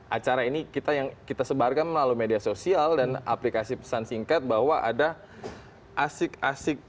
acara ini kita yang kita sebarkan melalui media sosial dan aplikasi pesan singkat bahwa ada asik asik